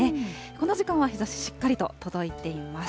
この時間は日ざし、しっかりと届いています。